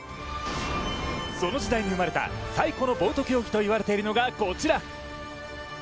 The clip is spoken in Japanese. その時代に生まれた最古のボート競技と言われているのがこちら。